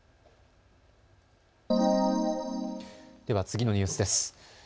では次のニュースです。